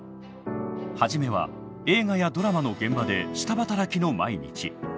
初めは映画やドラマの現場で下働きの毎日。